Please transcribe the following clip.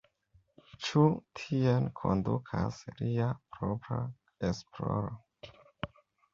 Ĉu tien kondukas lia propra esploro?